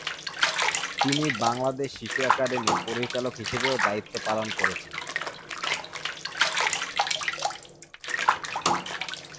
তিনি বাংলাদেশ শিশু একাডেমির পরিচালক হিসেবেও দায়িত্ব পালন করেছেন।